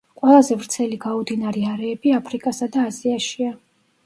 ყველაზე ვრცელი გაუდინარი არეები აფრიკასა და აზიაშია.